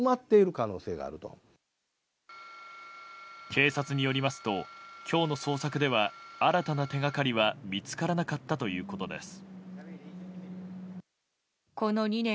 警察によりますと今日の捜索では新たな手掛かりは見つからなかったということです。